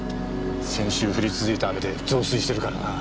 先週降り続いた雨で増水してるからな。